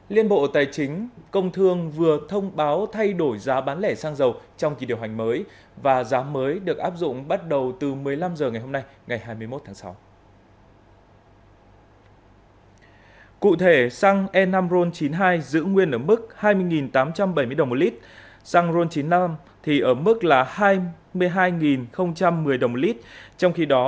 liên bộ tài chính công thương vừa thông báo thay đổi giá bán lẻ xăng dầu trong kỳ điều hành mới và giá mới được áp dụng bắt đầu từ một mươi năm h ngày hôm nay ngày hai mươi một tháng sáu